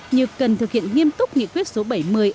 như cần thực hiện nghiêm túc nghị quyết số bảy mươi